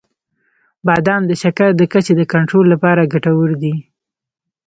• بادام د شکر د کچې د کنټرول لپاره ګټور دي.